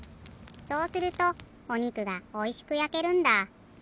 そうするとおにくがおいしくやけるんだ。